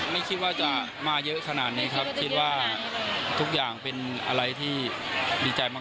ไม่คิดว่าจะมาเยอะขนาดนี้ครับคิดว่าทุกอย่างเป็นอะไรที่ดีใจมาก